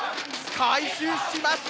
回収しました。